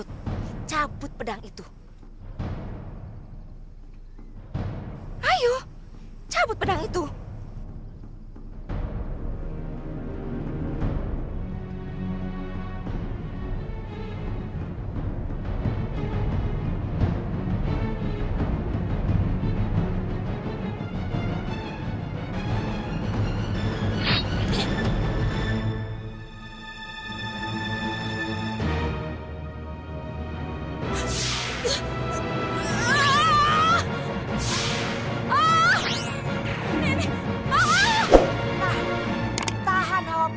terima kasih dan lagi maaf penyayang